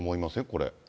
これ。